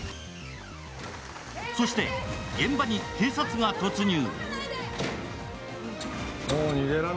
そして現場に警察が突入。